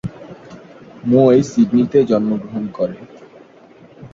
মুয় সিডনিতে জন্মগ্রহণ করেন।